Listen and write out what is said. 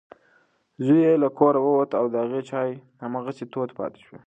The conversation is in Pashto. زوی یې له کوره ووت او د هغې چای هماغسې تود پاتې شو.